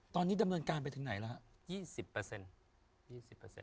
ตอนนี้ดำเนินการไปถึงไหนแล้วฮะ๒๐๒๐